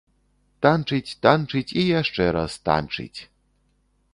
Танчыць, танчыць і яшчэ раз танчыць!